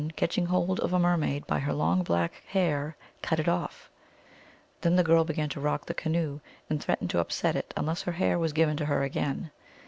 catching hold of a mer maid by her long black hair, cut it off. Then the girl began to rock the canoe, and threat ened to upset it unless her hair was given to her again.